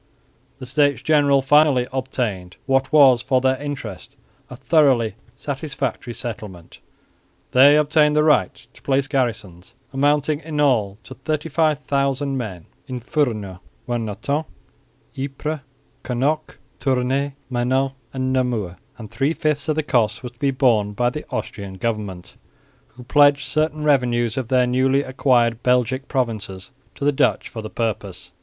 The States General finally obtained what was for their interest a thoroughly satisfactory settlement. They obtained the right to place garrisons amounting in all to 35,000 men in Furnes, Warneton, Ypres, Knocke, Tournay, Menin and Namur; and three fifths of the cost were to be borne by the Austrian government, who pledged certain revenues of their newly acquired Belgic provinces to the Dutch for the purpose.